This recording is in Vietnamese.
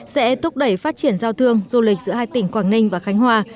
sẽ thúc đẩy phát triển giao thương du lịch giữa hai tỉnh quảng ninh và khánh hòa